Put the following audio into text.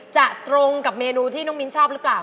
ตรงกับเมนูที่น้องมิ้นชอบหรือเปล่า